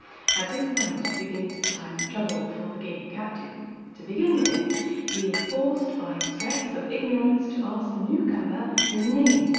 At this point begins the time of trouble for the Game Captain. To begin with, he is forced by stress of ignorance to ask the newcomer his name.